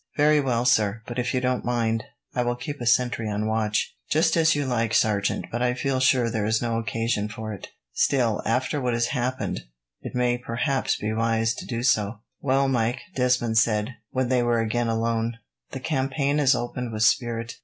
"Very well, sir; but if you don't mind, I will keep a sentry on watch." "Just as you like, sergeant, but I feel sure there is no occasion for it. Still, after what has happened, it may perhaps be wise to do so." "Well, Mike," Desmond said, when they were again alone, "the campaign has opened with spirit.